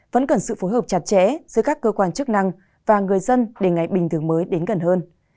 vẫn cần sự phối hợp chặt chẽ giữa các cơ quan chức năng và người dân để ngày bình thường mới đến gần hơn